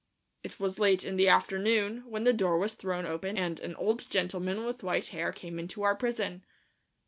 It was late in the afternoon when the door was thrown open and an old gentleman with white hair came into our prison.